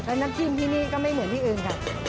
แล้วน้ำจิ้มที่นี่ก็ไม่เหมือนที่อื่นค่ะ